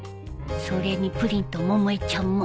それにプリンと百恵ちゃんも